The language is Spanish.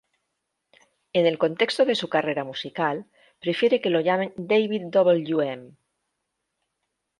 En el contexto de su carrera musical, prefiere que lo llamen "David Wm.